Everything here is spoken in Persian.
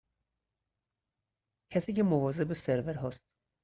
کسی که مواظب سرورها است.